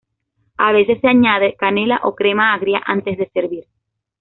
A veces se añade canela o crema agria antes de servir.